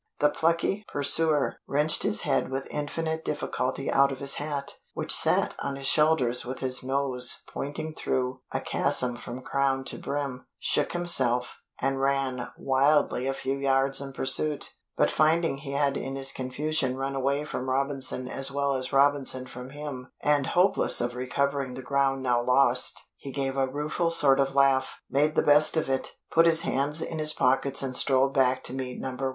The plucky pursuer wrenched his head with infinite difficulty out of his hat, which sat on his shoulders with his nose pointing through a chasm from crown to brim, shook himself, and ran wildly a few yards in pursuit but finding he had in his confusion run away from Robinson as well as Robinson from him, and hopeless of recovering the ground now lost, he gave a rueful sort of laugh, made the best of it, put his hands in his pockets and strolled back to meet No. 1.